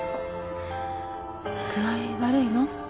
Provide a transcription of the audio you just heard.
具合悪いの？